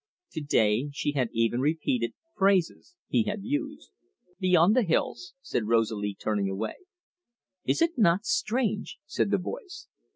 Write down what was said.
To day she had even repeated phrases he had used. "Beyond the hills," said Rosalie, turning away. "Is it not strange?" said the voice.